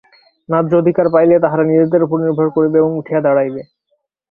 ন্যায্য অধিকার পাইলেই তাহারা নিজেদের উপর নির্ভর করিবে এবং উঠিয়া দাঁড়াইবে।